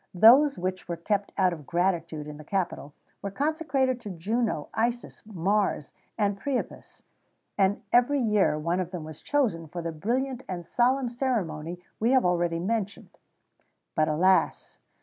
[XVII 62] Those which were kept, out of gratitude, in the Capitol, were consecrated to Juno, Isis, Mars, and Priapus,[XVII 63] and every year one of them was chosen for the brilliant and solemn ceremony we have already mentioned.[XVII 64] But, alas!